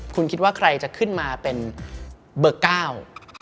คุณคิดว่าใครจะขึ้นมาเป็นเบอร์เก้า